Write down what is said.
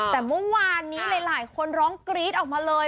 แต่เมื่อวานนี้หลายคนร้องกรี๊ดออกมาเลย